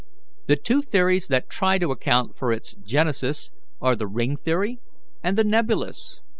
The two theories that try to account for its genesis are the ring theory and the nebulous.